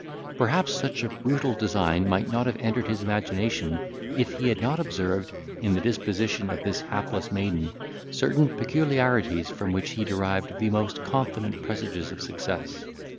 Perhaps such a brutal design might not have entered his imagination, if he had not observed, in the disposition of this hapless maiden, certain peculiarities from which he derived the most confident presages of success.